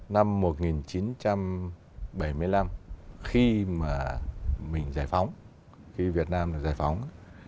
năm một nghìn chín trăm bảy mươi năm khi mà mình giải phóng khi việt nam giải phóng